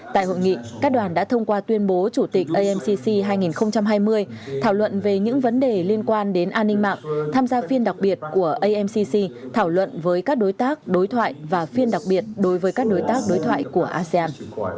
tại hội nghị các đoàn đã thông qua tuyên bố chủ tịch amcc hai nghìn hai mươi thảo luận về những vấn đề liên quan đến an ninh mạng tham gia phiên đặc biệt của amcc thảo luận với các đối tác đối thoại và phiên đặc biệt đối với các đối tác đối thoại của asean